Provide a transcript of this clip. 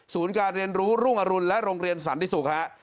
ศูนย์การเรียนรู้รุ่งอรุณและโรงเรียนสรรค์ที่สุขครับ